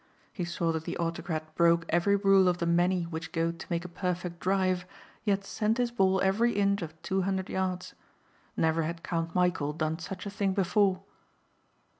He saw that the autocrat broke every rule of the many which go to make a perfect drive yet sent his ball every inch of two hundred yards. Never had Count Michæl done such a thing before.